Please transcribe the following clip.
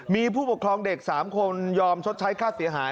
มีผู้ปกครองเด็ก๓คนยอมชดใช้ค่าเสียหาย